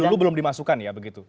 dulu belum dimasukkan ya begitu